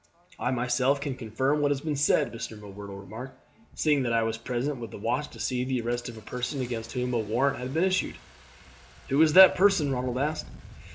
"I myself can confirm what has been said," Mr. M'Whirtle remarked, "seeing that I was present with the watch to see the arrest of a person against whom a warrant had been issued." "Who is that person?" Ronald asked.